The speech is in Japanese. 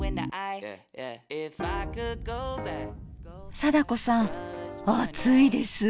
貞子さん暑いです！